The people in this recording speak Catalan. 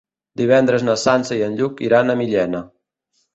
Divendres na Sança i en Lluc iran a Millena.